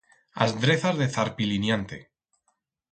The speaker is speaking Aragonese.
As drezas de Zarpiliniante.